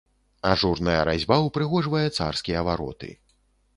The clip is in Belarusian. Ажурная разьба ўпрыгожвае царскія вароты.